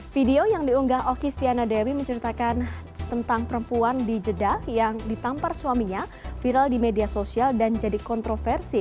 video yang diunggah oki stiana dewi menceritakan tentang perempuan di jeddah yang ditampar suaminya viral di media sosial dan jadi kontroversi